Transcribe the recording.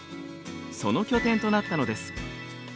その拠点となったのです。